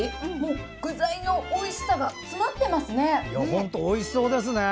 本当おいしそうですね。